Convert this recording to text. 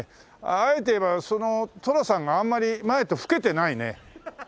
あえて言えば寅さんがあんまり前と老けてないね。